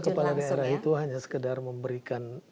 kepala daerah itu hanya sekedar memberikan